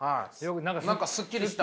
何かすっきりした。